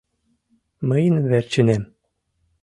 Мыйын верчынем.